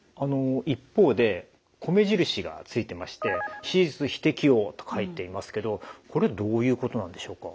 一方で米印がついてまして「手術非適応」と書いていますけどこれどういうことなんでしょうか？